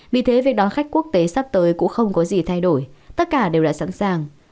vì thế việc đón khách quốc tế sắp tới cũng không có gì thay đổi tất cả đều đã sẵn sàng